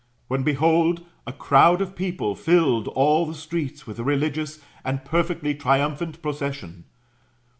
When, behold, a crowd of people filled all the streets with a religious and perfectly triumphant procession.